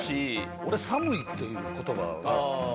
俺「サムい」っていう言葉が。